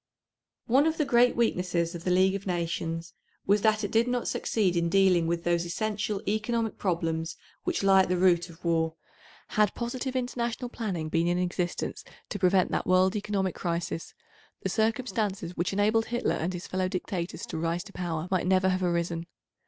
One of the great weaknesses of the League of Nations was that it did not succeed in dealing with those, essential economic problems, which lie at the root of war. Had positive international planning been in existence to prevent that world economic crisis, the circumstances which enabled Hitler and his fellow dictators to rise to power might never have arisen.